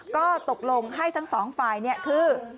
ก็ตกลงให้ทั้งสองฝ่ายคือ